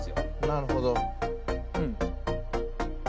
なるほど。